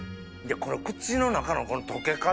この口の中の溶け方！